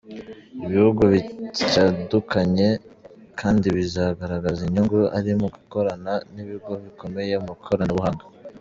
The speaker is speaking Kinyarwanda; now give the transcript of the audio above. Ibihugu bityandukanye kandibizagaragaza inyungu iri mu gukorana n’ ibigo bikomeye mu ikoranabuhanga.